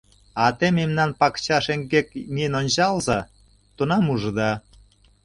— А те мемнан пакча шеҥгеке миен ончалза, тунам ужыда.